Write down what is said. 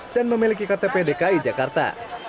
dan memiliki ktp dki jakarta